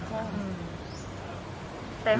แต่ห้องที่หนู